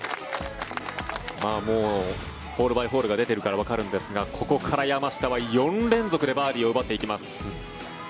もうホールバイホールが出ているからわかるんですがここから山下は４連続でバーディーを奪っていきます。